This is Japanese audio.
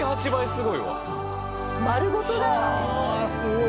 すごいな。